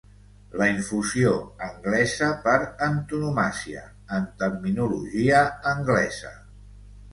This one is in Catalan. La infusió anglesa per antonomàsia, en terminologia anglesa.